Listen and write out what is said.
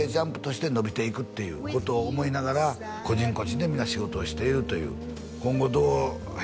ＪＵＭＰとして伸びていくっていうことを思いながら個人個人でみんな仕事をしているという今後どうＨｅｙ！